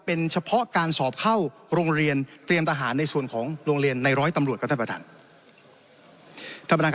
เป็นเฉพาะการสอบเข้าโรงเรียนเตรียมทหารในส่วนของโรงเรียนในร้อยตำรวจ